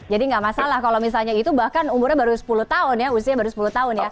jadi tidak masalah kalau misalnya itu bahkan umurnya baru sepuluh tahun ya usianya baru sepuluh tahun ya